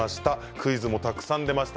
クイズもたくさん出ました。